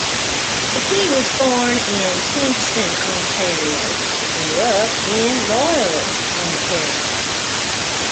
McKee was born in Kingston, Ontario, but grew up in Loyalist, Ontario.